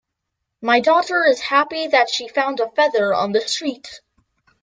My daughter is happy that she found a feather on the street.